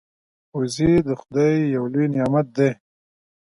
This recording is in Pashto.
وزې د خدای یو لوی نعمت دی